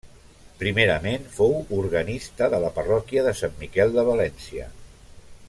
Primerament, fou organista de la parròquia de Sant Miquel de València.